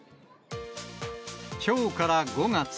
きょうから５月。